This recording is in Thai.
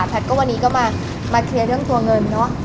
แพทย์ก็วันนี้ก็มาเคลียร์เรื่องตัวเงินเนอะ